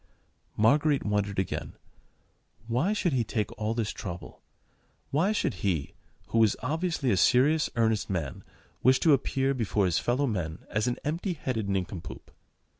Marguerite wondered again. Why should he take all this trouble? Why should he—who was obviously a serious, earnest man—wish to appear before his fellow men as an empty headed nincompoop?